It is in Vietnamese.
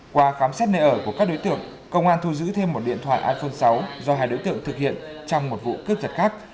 qua khám xét nơi ở của các đối tượng công an thu giữ thêm một điện thoại iphone sáu do hai đối tượng thực hiện trong một vụ cướp giật khác